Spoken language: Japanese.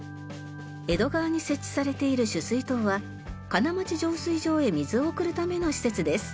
江戸川に設置されている取水塔は金町浄水場へ水を送るための施設です。